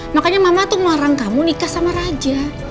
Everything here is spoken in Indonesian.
makanya mama tuh melarang kamu nikah sama raja